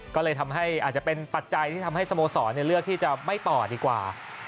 ก็เลยทำให้อาจจะเป็นปัจจัยที่ทำให้สโมสรเลือกที่จะไม่ต่อดีกว่า